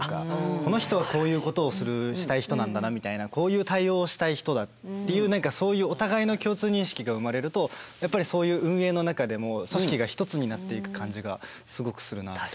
この人はこういうことをしたい人なんだなみたいなこういう対応をしたい人だっていうそういうお互いの共通認識が生まれるとやっぱりそういう運営の中でも組織が一つになっていく感じがすごくするなって。